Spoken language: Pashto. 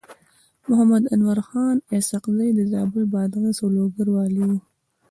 محمد انورخان اسحق زی د زابل، بادغيس او لوګر والي و.